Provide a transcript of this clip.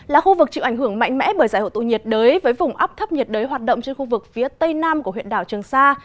là khu vực chịu ảnh hưởng mạnh mẽ bởi giải hội tụ nhiệt đới với vùng áp thấp nhiệt đới hoạt động trên khu vực phía tây nam của huyện đảo trường sa